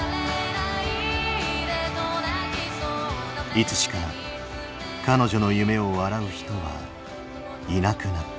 いつしか彼女の夢を笑う人はいなくなった。